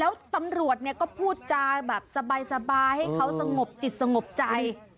แล้วตำรวจเนี่ยก็พูดจาแบบสบายให้เขาสงบจิตสงบใจ